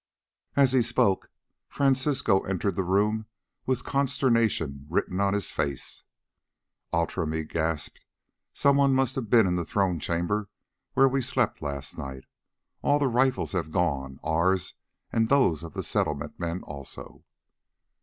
As he spoke Francisco entered the room with consternation written on his face. "Outram," he gasped, "some one must have been in the throne chamber where we slept last night. All the rifles have gone, ours and those of the Settlement men also."